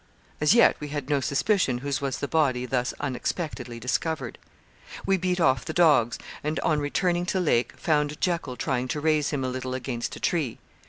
As yet we had no suspicion whose was the body thus unexpectedly discovered. We beat off the dogs, and on returning to Lake, found Jekyl trying to raise him a little against a tree.